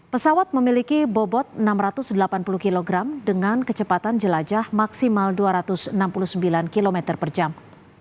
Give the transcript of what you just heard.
pesawat memiliki bobot enam ratus delapan puluh kg dengan kecepatan jelajah maksimal dua ratus enam puluh sembilan km per jam